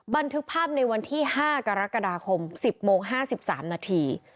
บันทึกภาพในวันที่๕กรกฎาคม๑๐โมง๕๓นาที